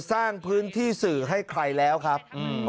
สร้างพื้นที่สื่อให้ใครแล้วครับ